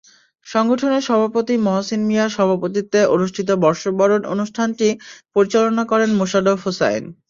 সংগঠনের সভাপতি মহসীন মিয়ার সভাপতিত্বে অনুষ্ঠিত বর্ষবরণ অনুষ্ঠানটি পরিচালনা করেন মোশাররফ হোসাইন।